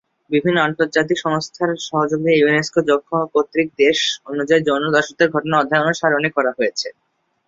বিভিন্ন আন্তর্জাতিক সংস্থার সহযোগিতায় ইউনেস্কো কর্তৃক দেশ অনুযায়ী যৌন দাসত্বের ঘটনা অধ্যয়ন ও সারণী করা হয়েছে।